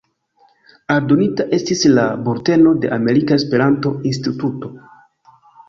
Aldonita estis la "Bulteno de Amerika Esperanto-Instituto".